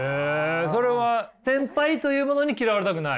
それは先輩というものに嫌われたくない？